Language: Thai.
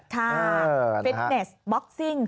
ฟิตเนสบ็อกซิ่ง